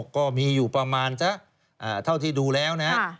ก็มีอยู่ประมาณสักเท่าที่ดูแล้วนะ